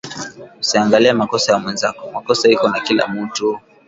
Usiangalie makosa ya mwenzako makosa iko na kila mutu